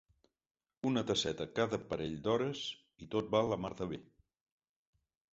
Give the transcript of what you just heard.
Una tasseta cada parell d'hores i tot va la mar de bé.